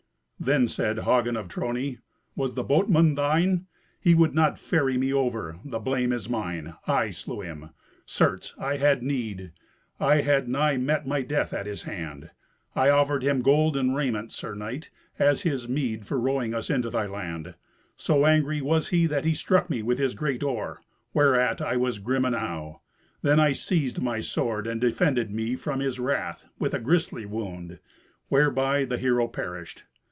Then said Hagen of Trony, "Was the boatman thine? He would not ferry me over. The blame is mine. I slew him. Certes, I had need. I had nigh met my death at his hand. I offered him gold and raiment, Sir Knight, as his meed for rowing us into thy land. So angry was he that he struck me with his great oar, whereat I was grim enow. Then I seized my sword, and defended me from his wrath with a grisly wound, whereby the hero perished.